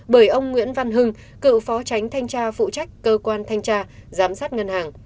bởi ông nguyễn văn hưng cựu phó tránh thanh tra phụ trách cơ quan thanh tra giám sát ngân hàng